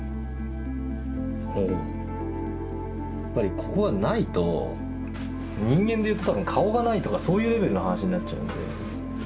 やっぱりここはないと人間で言ったら顔がないとかそういうレベルの話になっちゃうんで。